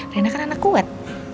reina kan anak kuat